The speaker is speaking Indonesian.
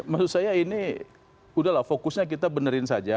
maksud saya ini udahlah fokusnya kita benerin saja